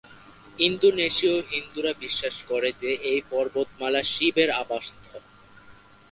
ইন্দোনেশিয় হিন্দুরা বিশ্বাস করে যে এই পর্বতমালা শিব এর আবাসস্থল।